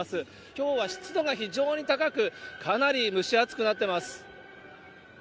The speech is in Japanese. きょうは湿度が非常に高く、かなり蒸し暑くなってます。